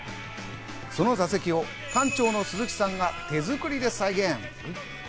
その座席を館長の鈴木さんが手作りで再現。